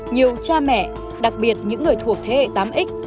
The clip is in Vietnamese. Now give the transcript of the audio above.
nhiều cha mẹ đặc biệt những người thuộc thế hệ tám x